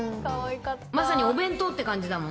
まさにお弁当って感じだもん